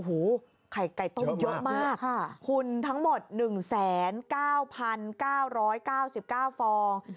ไข่ไก่ต้มเยอะมากหุ่นทั้งหมด๑๙๙๙๙ฟอง